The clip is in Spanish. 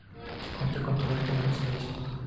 Cuenta con toda clase de servicios.